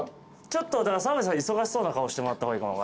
ちょっと澤部さん忙しそうな顔してもらった方がいいかも。